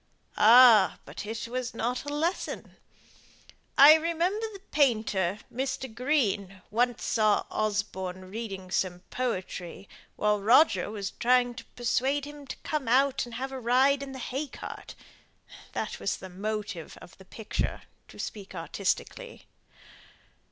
"Ah! but it was not a lesson. I remember the painter, Mr. Green, once saw Osborne reading some poetry, while Roger was trying to persuade him to come out and have a ride in the hay cart that was the 'motive' of the picture, to speak artistically.